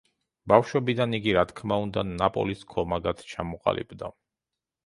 ბავშვობიდან იგი რა თქმა უნდა „ნაპოლის“ ქომაგად ჩამოყალიბდა.